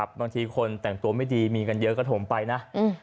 บางทีคนแต่งตัวไม่ดีมีกันเยอะก็ถมไปนะ